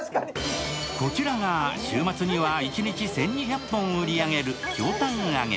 こちらが週末には一日１２００本売り上げるひょうたん揚げ。